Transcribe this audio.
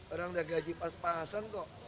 orang udah gaji pas pasan kok